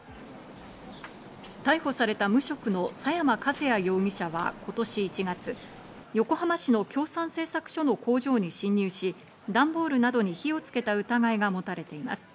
逮捕された無職の佐山和也容疑者は、今年１月、横浜市の京三製作所の工場に侵入し、段ボールなどに火をつけた疑いが持たれています。